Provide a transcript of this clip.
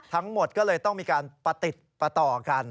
ทั้งหมดก็เลยต้องมีการประติดประต่อกัน